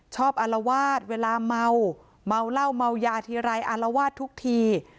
อารวาสเวลาเมาเมาเหล้าเมายาทีไรอารวาสทุกที